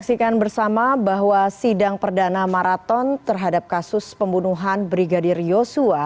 saksikan bersama bahwa sidang perdana maraton terhadap kasus pembunuhan brigadir yosua